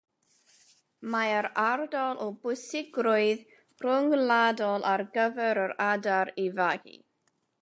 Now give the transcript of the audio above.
Mae'r ardal o bwysigrwydd rhyngwladol ar gyfer yr adar i fagu